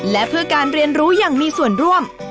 และเพื่อการเรียนรู้อย่างมีส่วนร่วม